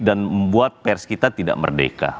dan membuat pers kita tidak merdeka